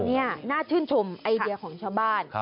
นี่น่าชื่นชมไอเดียของชาวบ้าน